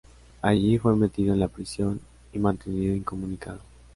Allí fue metido en la prisión y mantenido incomunicado.